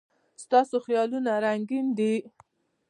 ایا ستاسو خیالونه رنګین دي؟